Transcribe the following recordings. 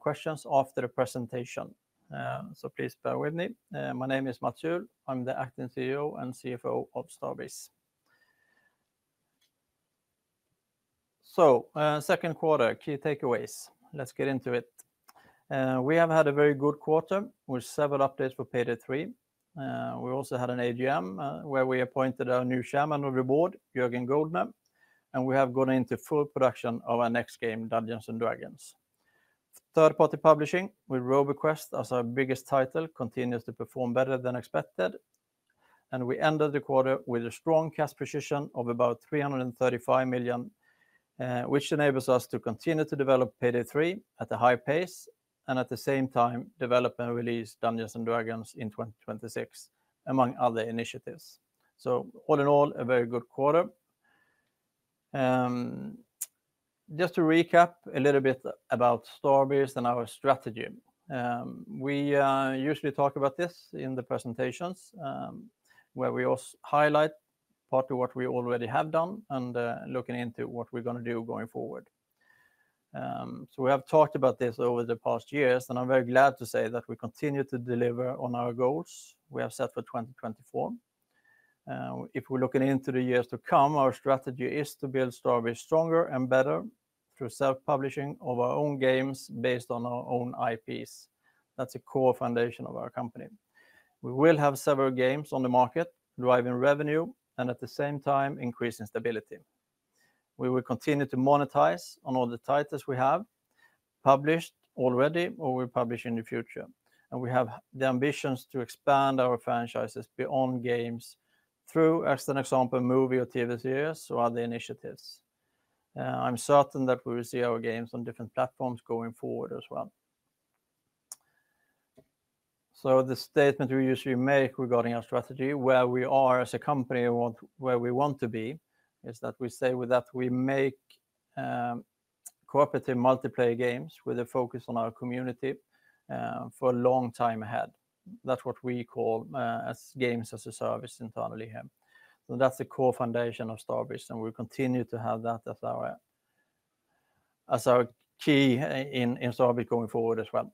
Questions after the presentation. So please bear with me. My name is Mats Juhl. I'm the Acting CEO and CFO of Starbreeze. So, second quarter, key takeaways, let's get into it. We have had a very good quarter, with several updates for Payday 3. We also had an AGM, where we appointed our new Chairman of the Board, Jürgen Goossens, and we have gone into full production of our next game, Dungeons and Dragons. Third-party publishing, with Roboquest as our biggest title, continues to perform better than expected, and we ended the quarter with a strong cash position of about 335 million, which enables us to continue to develop Payday 3 at a high pace, and at the same time, develop and release Dungeons and Dragons in 2026, among other initiatives. So all in all, a very good quarter. Just to recap a little bit about Starbreeze and our strategy. We usually talk about this in the presentations, where we highlight part of what we already have done, and looking into what we're gonna do going forward. So we have talked about this over the past years, and I'm very glad to say that we continue to deliver on our goals we have set for 2024. If we're looking into the years to come, our strategy is to build Starbreeze stronger and better through self-publishing of our own games based on our own IPs. That's a core foundation of our company. We will have several games on the market, driving revenue, and at the same time, increasing stability. We will continue to monetize on all the titles we have published already or will publish in the future, and we have the ambitions to expand our franchises beyond games through, as an example, movie or TV series or other initiatives. I'm certain that we will see our games on different platforms going forward as well. So the statement we usually make regarding our strategy, where we are as a company and what--where we want to be, is that we say with that we make, cooperative multiplayer games with a focus on our community, for a long time ahead. That's what we call, as Games as a Service internally here. So that's the core foundation of Starbreeze, and we continue to have that as our, as our key in Starbreeze going forward as well.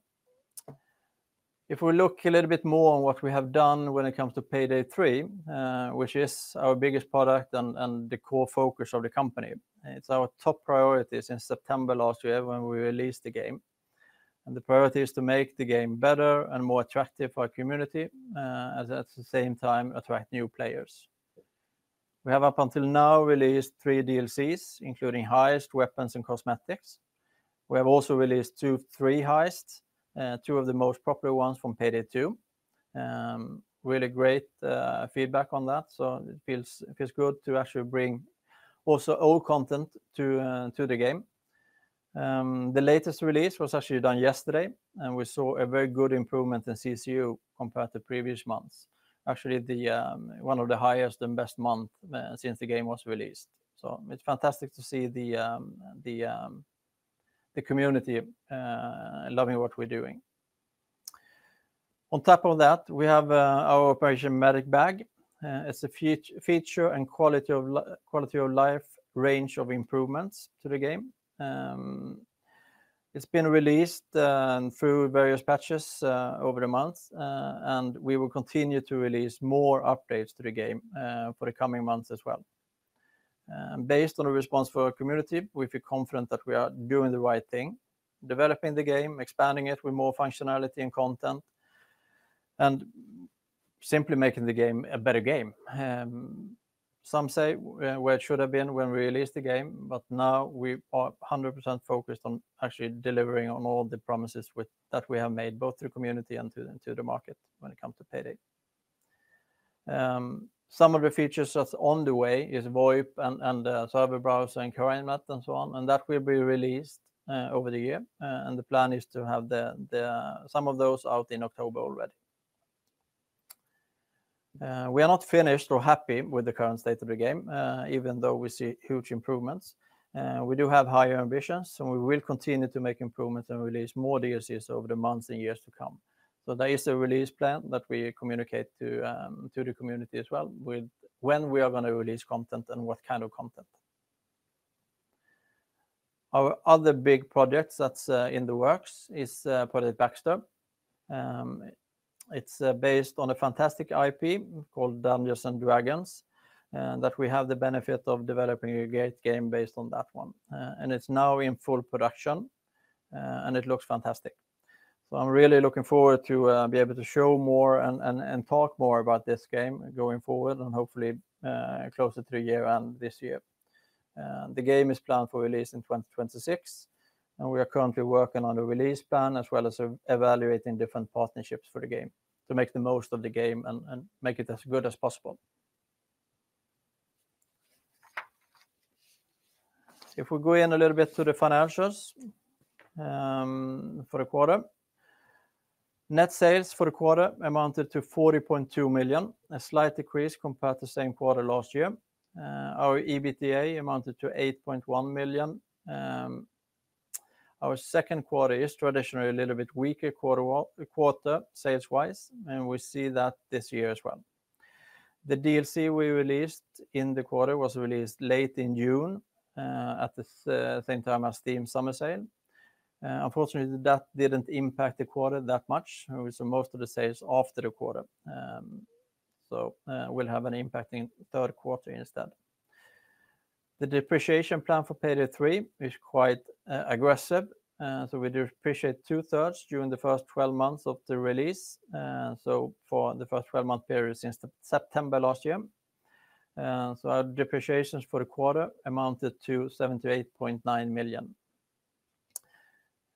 If we look a little bit more on what we have done when it comes to Payday 3, which is our biggest product and the core focus of the company, it's our top priority since September last year when we released the game. The priority is to make the game better and more attractive for our community, as at the same time, attract new players. We have, up until now, released three DLCs, including heists, weapons, and cosmetics. We have also released three heists, two of the most popular ones from Payday 2. Really great feedback on that, so it feels good to actually bring also old content to the game. The latest release was actually done yesterday, and we saw a very good improvement in CCU compared to previous months. Actually, the one of the highest and best month since the game was released. So it's fantastic to see the community loving what we're doing. On top of that, we have our Operation Medic Bag. It's a feature and quality-of-life range of improvements to the game. It's been released through various patches over the months, and we will continue to release more updates to the game for the coming months as well. Based on the response from our community, we feel confident that we are doing the right thing, developing the game, expanding it with more functionality and content, and simply making the game a better game. Some say where it should have been when we released the game, but now we are 100% focused on actually delivering on all the promises with that we have made, both to the community and to the market when it comes to Payday. Some of the features that's on the way is VoIP and server browser and current map and so on, and that will be released over the year, and the plan is to have some of those out in October already. We are not finished or happy with the current state of the game, even though we see huge improvements. We do have higher ambitions, and we will continue to make improvements and release more DLCs over the months and years to come. So there is a release plan that we communicate to the community as well, with when we are gonna release content and what kind of content. Our other big projects that's in the works is Project Baxter. It's based on a fantastic IP called Dungeons and Dragons, and that we have the benefit of developing a great game based on that one. And it's now in full production and it looks fantastic. So I'm really looking forward to be able to show more and talk more about this game going forward, and hopefully closer to the year-end this year. The game is planned for release in 2026, and we are currently working on a release plan, as well as evaluating different partnerships for the game, to make the most of the game and make it as good as possible. If we go in a little bit to the financials, for the quarter, net sales for the quarter amounted to 40.2 million, a slight decrease compared to the same quarter last year. Our EBITDA amounted to 8.1 million. Our second quarter is traditionally a little bit weaker quarter sales-wise, and we see that this year as well. The DLC we released in the quarter was released late in June, at the same time as Steam Summer Sale. Unfortunately, that didn't impact the quarter that much, with most of the sales after the quarter. We'll have an impact in third quarter instead. The depreciation plan for Payday 3 is quite aggressive, so we depreciate two-thirds during the first twelve months of the release, so for the first twelve-month period since September last year. Our depreciations for the quarter amounted to 78.9 million.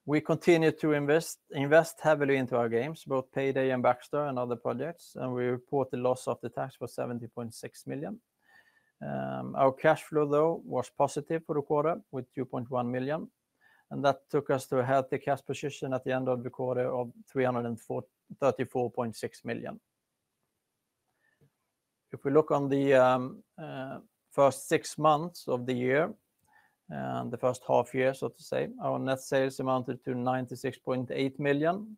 We continued to invest heavily into our games, both Payday and Baxter and other projects, and we report the loss after tax for 70.6 million. Our cash flow, though, was positive for the quarter, with 2.1 million, and that took us to a healthy cash position at the end of the quarter of 334.6 million. If we look on the first six months of the year, the first half year, so to say, our net sales amounted to 96.8 million,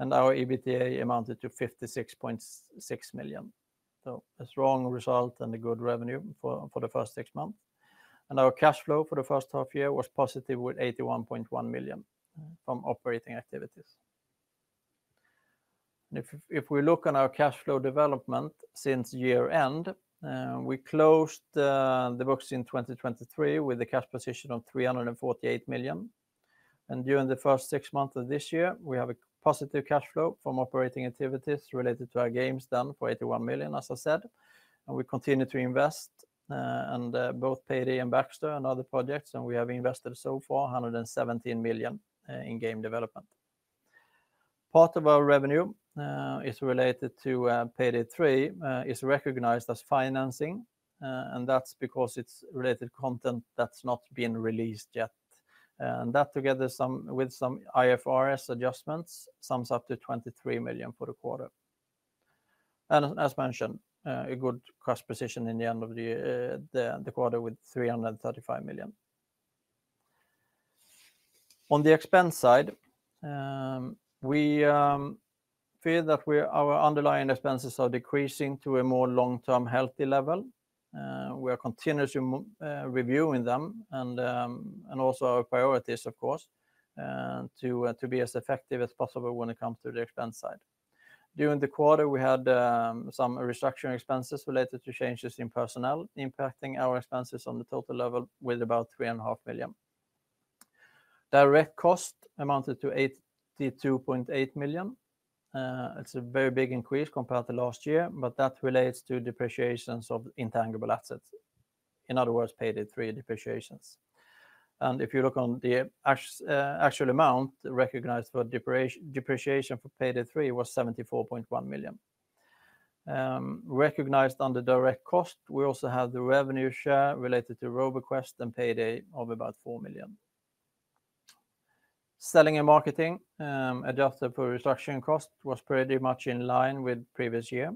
and our EBITDA amounted to 56.6 million, so a strong result and a good revenue for the first six months. Our cash flow for the first half year was positive, with 81.1 million from operating activities. If we look on our cash flow development since year-end, we closed the books in 2023 with a cash position of 348 million, and during the first six months of this year, we have a positive cash flow from operating activities related to our games, done for 81 million, as I said. We continue to invest, and both Payday and Project Baxter and other projects, and we have invested so far 117 million in game development. Part of our revenue is related to Payday 3 is recognized as financing, and that's because it's related content that's not been released yet. That, together with some IFRS adjustments, sums up to 23 million for the quarter. As mentioned, a good cash position at the end of the quarter with 335 million. On the expense side, we feel that our underlying expenses are decreasing to a more long-term healthy level. We are continuously reviewing them and also our priorities, of course, to be as effective as possible when it comes to the expense side. During the quarter, we had some restructuring expenses related to changes in personnel, impacting our expenses on the total level with about 3.5 million. Direct cost amounted to 82.8 million. It's a very big increase compared to last year, but that relates to depreciations of intangible assets, in other words, Payday 3 depreciations. If you look on the actual amount recognized for depreciation for Payday 3 was 74.1 million. Recognized under direct cost, we also have the revenue share related to Roboquest and Payday of about 4 million. Selling and marketing, adjusted for restructuring cost, was pretty much in line with previous year.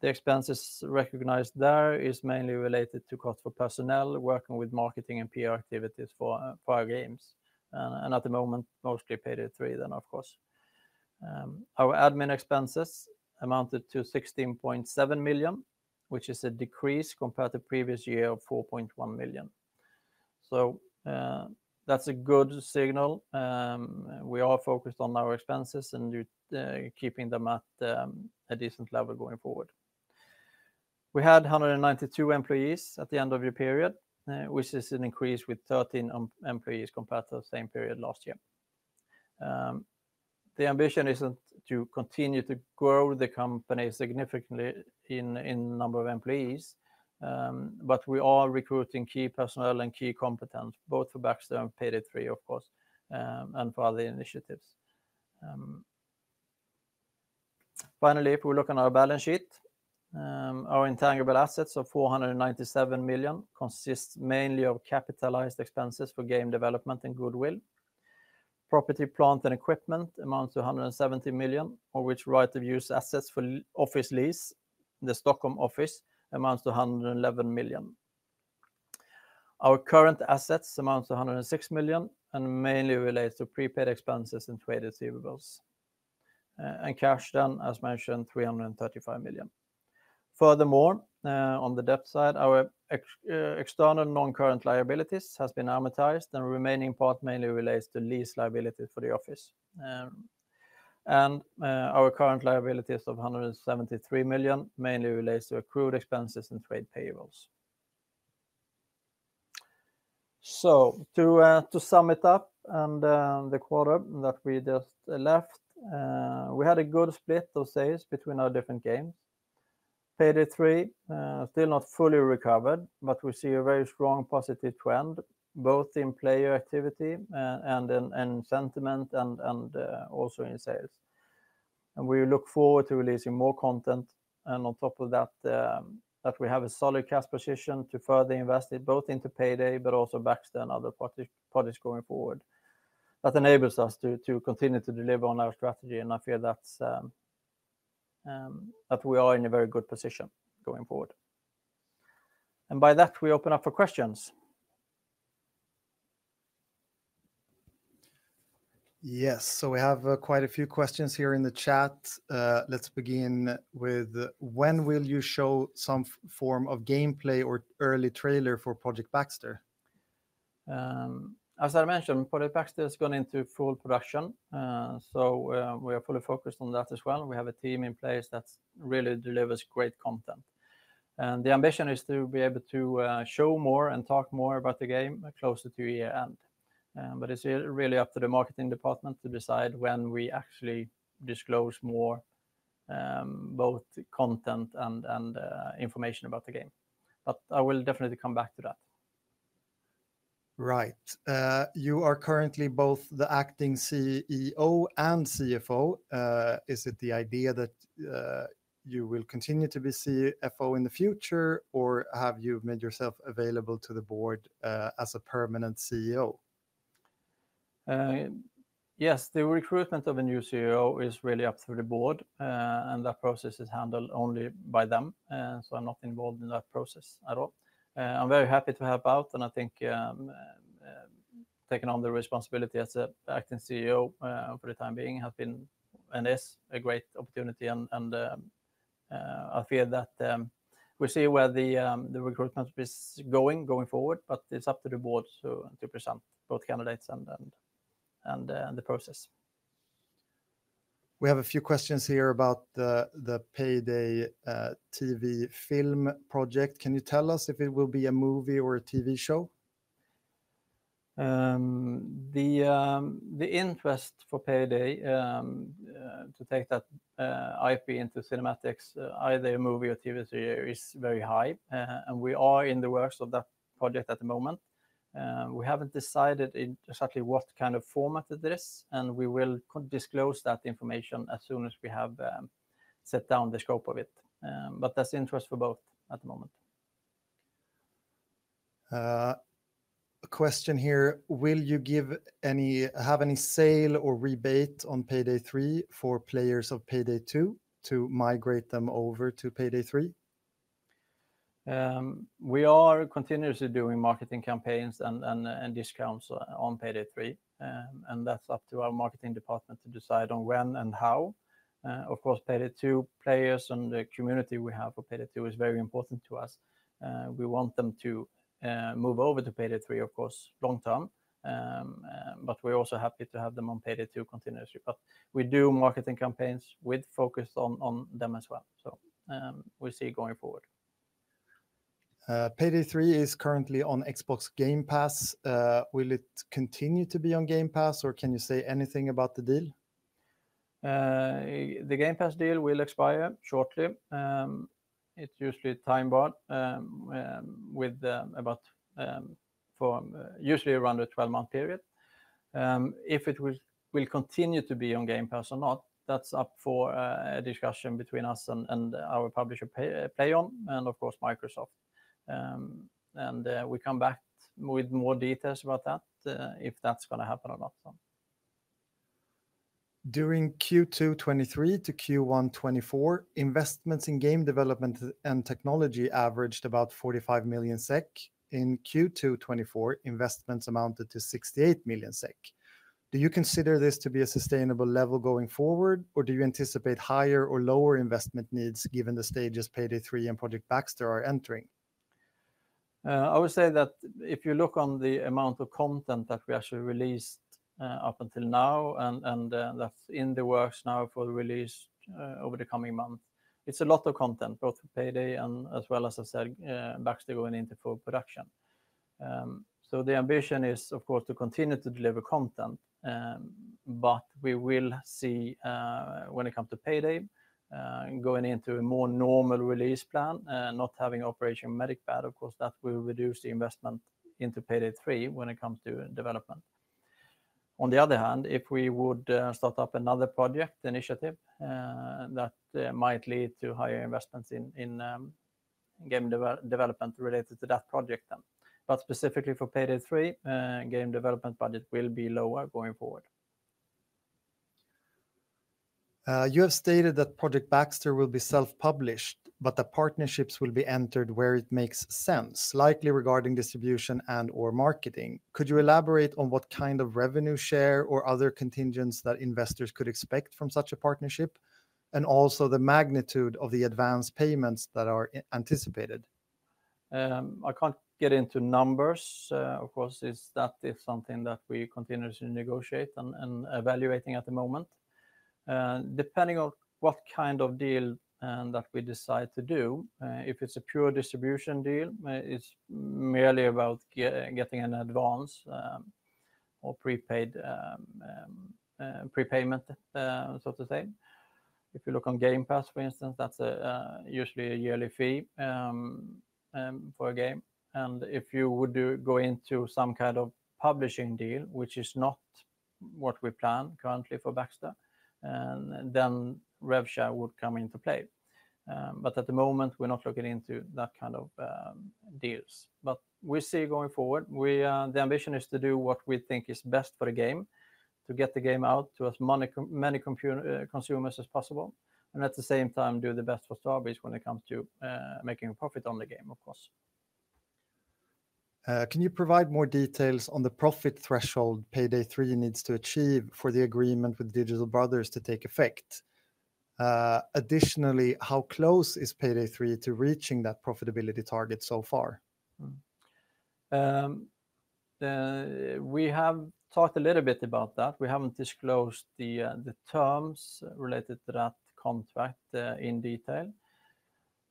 The expenses recognized there is mainly related to cost for personnel, working with marketing and PR activities for our games, and at the moment, mostly Payday 3, then, of course. Our admin expenses amounted to 16.7 million, which is a decrease compared to previous year of 4.1 million. So, that's a good signal. We are focused on our expenses and do keeping them at a decent level going forward. We had 192 employees at the end of the period, which is an increase with 13 employees compared to the same period last year. The ambition isn't to continue to grow the company significantly in number of employees, but we are recruiting key personnel and key competence, both for Baxter and Payday 3, of course, and for other initiatives. Finally, if we look on our balance sheet, our intangible assets of 497 million consists mainly of capitalized expenses for game development and goodwill. Property, plant, and equipment amounts to 170 million, of which right of use assets for office lease, the Stockholm office, amounts to 111 million. Our current assets amounts to 106 million and mainly relates to prepaid expenses and trade receivables. And cash, then, as mentioned, 335 million. Furthermore, on the debt side, our external non-current liabilities has been amortized, and the remaining part mainly relates to lease liability for the office. And, our current liabilities of 173 million mainly relates to accrued expenses and trade payables. So, to sum it up and the quarter that we just left, we had a good split of sales between our different games. Payday 3 still not fully recovered, but we see a very strong positive trend, both in player activity and in sentiment and also in sales. We look forward to releasing more content, and on top of that, that we have a solid cash position to further invest it, both into Payday, but also Baxter and other projects going forward. That enables us to continue to deliver on our strategy, and I feel that we are in a very good position going forward. By that, we open up for questions. ... Yes, so we have quite a few questions here in the chat. Let's begin with, when will you show some form of gameplay or early trailer for Project Baxter? As I mentioned, Project Baxter has gone into full production, so we are fully focused on that as well. We have a team in place that really delivers great content. And the ambition is to be able to show more and talk more about the game closer to year-end. But it's really up to the marketing department to decide when we actually disclose more, both content and information about the game. But I will definitely come back to that. Right. You are currently both the Acting CEO and CFO. Is it the idea that you will continue to be CFO in the future, or have you made yourself available to the board as a permanent CEO? Yes, the recruitment of a new CEO is really up to the board, and that process is handled only by them, so I'm not involved in that process at all. I'm very happy to help out, and I think, taking on the responsibility as Acting CEO, for the time being, has been, and is, a great opportunity, and I feel that we'll see where the recruitment is going forward, but it's up to the board to present both candidates and the process. We have a few questions here about the PAYDAY TV film project. Can you tell us if it will be a movie or a TV show? The interest for Payday to take that IP into cinematics, either a movie or TV series, is very high, and we are in the works of that project at the moment. We haven't decided exactly what kind of format it is, and we will disclose that information as soon as we have set down the scope of it, but there's interest for both at the moment. A question here: Will you have any sale or rebate on Payday 3 for players of Payday 2, to migrate them over to Payday 3? We are continuously doing marketing campaigns and discounts on Payday 3, and that's up to our marketing department to decide on when and how. Of course, Payday 2 players and the community we have for Payday 2 is very important to us. We want them to move over to Payday 3, of course, long term. But we're also happy to have them on Payday 2 continuously. But we do marketing campaigns with focus on them as well, so we'll see going forward. Payday 3 is currently on Xbox Game Pass. Will it continue to be on Game Pass, or can you say anything about the deal? The Game Pass deal will expire shortly. It's usually time-bound with about from usually around a twelve-month period. If it will continue to be on Game Pass or not, that's up for a discussion between us and our publisher, Plaion, and of course, Microsoft. We come back with more details about that if that's gonna happen or not, so. During Q2 2023 to Q1 2024, investments in game development and technology averaged about 45 million SEK. In Q2 2024, investments amounted to 68 million SEK. Do you consider this to be a sustainable level going forward, or do you anticipate higher or lower investment needs, given the stages Payday 3 and Project Baxter are entering? I would say that if you look on the amount of content that we actually released up until now, and that's in the works now for release over the coming months, it's a lot of content, both for Payday and as well as I said, Baxter going into full production, so the ambition is, of course, to continue to deliver content, but we will see when it comes to Payday, going into a more normal release plan, not having Operation Medic Bag, of course, that will reduce the investment into Payday 3 when it comes to development. On the other hand, if we would start up another project initiative, that might lead to higher investments in game development related to that project then. But specifically for Payday 3, game development budget will be lower going forward. You have stated that Project Baxter will be self-published, but the partnerships will be entered where it makes sense, likely regarding distribution and/or marketing. Could you elaborate on what kind of revenue share or other contingents that investors could expect from such a partnership, and also the magnitude of the advanced payments that are anticipated? I can't get into numbers. Of course, it's that is something that we continuously negotiate and evaluating at the moment. Depending on what kind of deal that we decide to do, if it's a pure distribution deal, it's merely about getting an advance or prepayment, so to say. If you look on Game Pass, for instance, that's usually a yearly fee for a game. If you would go into some kind of publishing deal, which is not what we plan currently for Baxter, then rev share would come into play. But at the moment, we're not looking into that kind of deals. We'll see going forward. We... The ambition is to do what we think is best for the game, to get the game out to as many computer consumers as possible, and at the same time, do the best for Starbreeze when it comes to making a profit on the game, of course. Can you provide more details on the profit threshold Payday 3 needs to achieve for the agreement with Digital Bros to take effect? Additionally, how close is Payday 3 to reaching that profitability target so far? We have talked a little bit about that. We haven't disclosed the terms related to that contract in detail.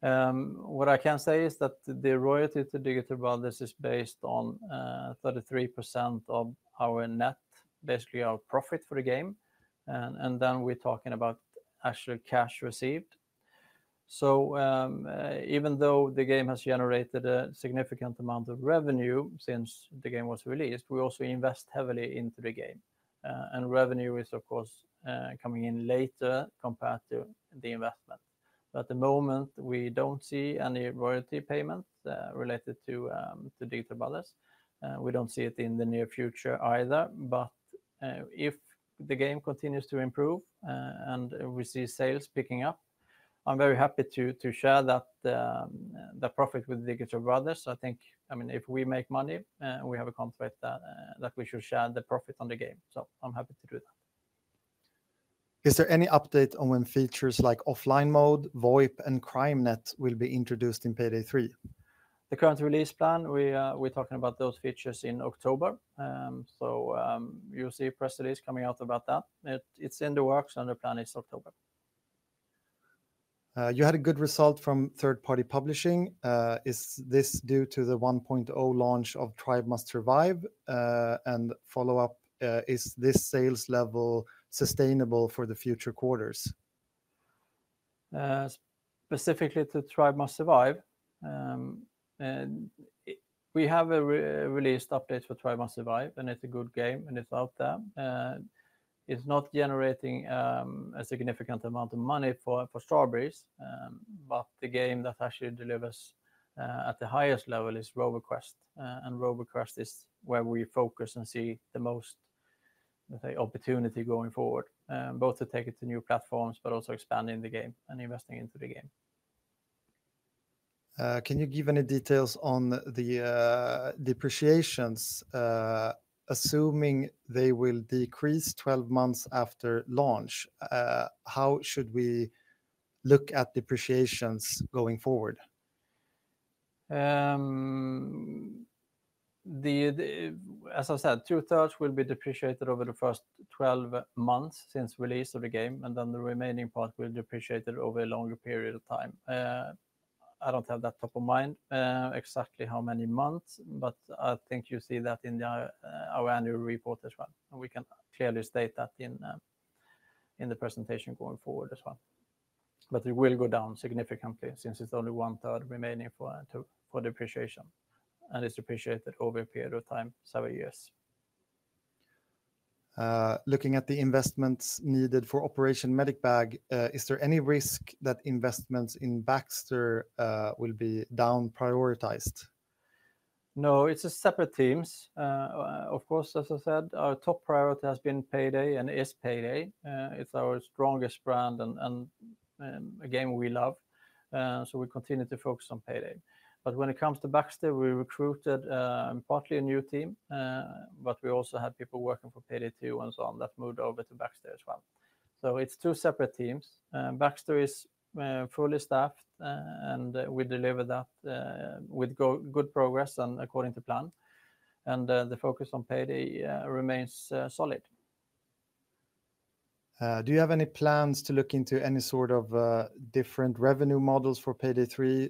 What I can say is that the royalty to Digital Bros is based on 33% of our net, basically our profit for the game, and then we're talking about actual cash received. Even though the game has generated a significant amount of revenue since the game was released, we also invest heavily into the game. Revenue is, of course, coming in later compared to the investment. At the moment, we don't see any royalty payments related to Digital Bros. We don't see it in the near future either. But if the game continues to improve and we see sales picking up, I'm very happy to share that the profit with Digital Bros. I think- I mean, if we make money and we have a contract that we should share the profit on the game, so I'm happy to do that. Is there any update on when features like offline mode, VoIP, and Crime.net will be introduced in Payday 3? The current release plan, we, we're talking about those features in October. So, you'll see a press release coming out about that. It, it's in the works, and the plan is October. You had a good result from third-party publishing. Is this due to the 1.0 launch of Tribe Must Survive? And follow-up, is this sales level sustainable for the future quarters? Specifically to Tribe Must Survive, we have a released update for Tribe Must Survive, and it's a good game, and it's out there, and it's not generating a significant amount of money for Starbreeze, but the game that actually delivers at the highest level is Roboquest, and Roboquest is where we focus and see the most, let's say, opportunity going forward, both to take it to new platforms, but also expanding the game and investing into the game. Can you give any details on the depreciations? Assuming they will decrease 12 months after launch, how should we look at depreciations going forward? As I said, two-thirds will be depreciated over the first 12 months since release of the game, and then the remaining part will depreciate over a longer period of time. I don't have that top of mind exactly how many months, but I think you see that in our annual report as well. And we can clearly state that in the presentation going forward as well. But it will go down significantly since it's only one-third remaining for depreciation, and it's depreciated over a period of time, several years. Looking at the investments needed for Operation Medic Bag, is there any risk that investments in Baxter will be down-prioritized? No, it's separate teams. Of course, as I said, our top priority has been Payday and is Payday. It's our strongest brand and a game we love, so we continue to focus on Payday. But when it comes to Baxter, we recruited partly a new team, but we also had people working for Payday 2 and so on that moved over to Baxter as well. So it's two separate teams. Baxter is fully staffed, and we deliver that with good progress and according to plan, and the focus on Payday remains solid. Do you have any plans to look into any sort of different revenue models for Payday 3,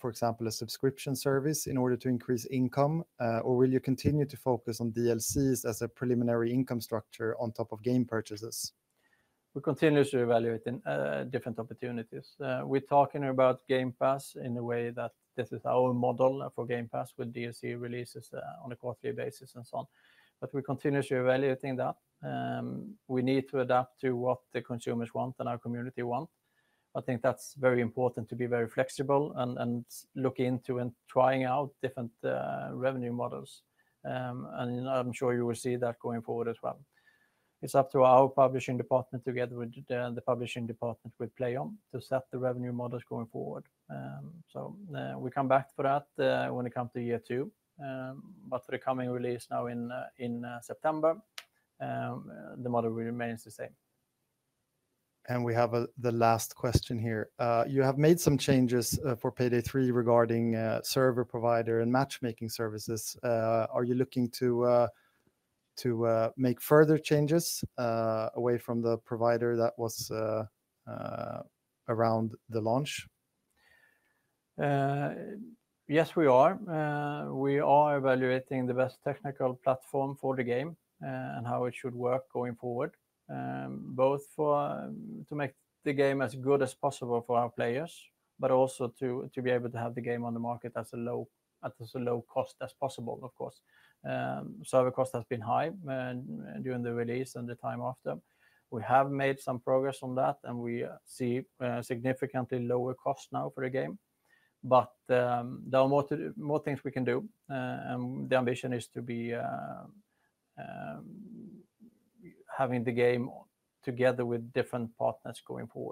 for example, a subscription service, in order to increase income, or will you continue to focus on DLCs as a preliminary income structure on top of game purchases? We're continuously evaluating different opportunities. We're talking about Game Pass in a way that this is our model for Game Pass, with DLC releases on a quarterly basis and so on, but we're continuously evaluating that. We need to adapt to what the consumers want and our community want. I think that's very important to be very flexible and look into and trying out different revenue models, and I'm sure you will see that going forward as well. It's up to our publishing department, together with the publishing department with Plaion, to set the revenue models going forward, so we come back for that when it come to year two, but for the coming release now in September, the model remains the same. And we have the last question here. You have made some changes for Payday 3 regarding server provider and matchmaking services. Are you looking to make further changes away from the provider that was around the launch? Yes, we are. We are evaluating the best technical platform for the game and how it should work going forward, both to make the game as good as possible for our players, but also to be able to have the game on the market at as low a cost as possible, of course. Server cost has been high during the release and the time after. We have made some progress on that, and we see significantly lower cost now for the game. But, there are more things we can do, and the ambition is to be having the game together with different partners going forward.